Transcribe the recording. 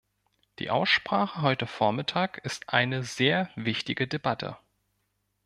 Die Aussprache heute vormittag ist eine sehr wichtige Debatte.